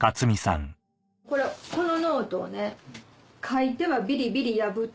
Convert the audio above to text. このノートを書いてはビリビリ破って。